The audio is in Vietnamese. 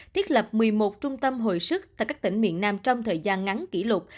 thiết lập một mươi một trung tâm hồi sức tại các tỉnh miền nam trong thời gian ngắn kỷ lục